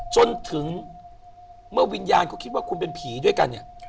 จนถึงเมื่อวิญญาณคิดว่าคุณเป็นผีด้วยกัน